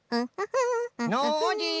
ノージー！